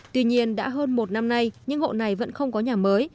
tuy nhiên đã hơn một năm nay những hộ này vẫn không có nhà mới